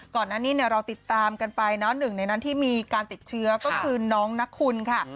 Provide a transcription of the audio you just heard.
ก่อนหน้านี้เราติดตามกันไปนะหนึ่งในนั้นที่มีการติดเชื้อก็คือน้องนักคุณค่ะ